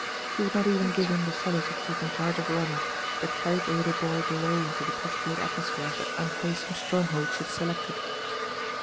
She would not even give him the solace of taking charge of Ronny, but carried the little boy below into the petticoat atmosphere of the unwholesome stronghold she had selected.